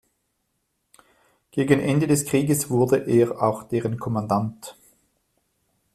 Gegen Ende des Krieges wurde er auch deren Kommandant.